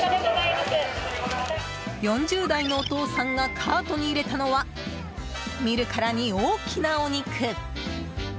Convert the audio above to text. ４０代のお父さんがカートに入れたのは見るからに大きなお肉！